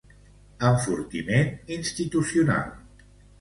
Enfortiment institucional.